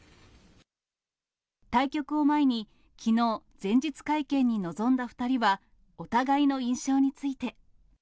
対局を前に、きのう、前日会見に臨んだ２人は、お互いの印象について。